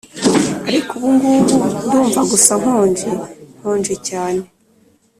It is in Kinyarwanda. ariko ubungubu ndumva gusa nkonje, nkonje cyane